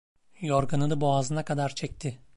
Yorganını boğazına kadar çekti.